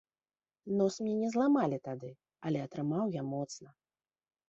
Нос мне не зламалі тады, але атрымаў я моцна.